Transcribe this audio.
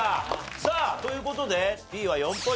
さあという事でＢは４ポイント。